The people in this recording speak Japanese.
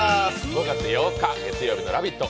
５月８日月曜日の「ラヴィット！」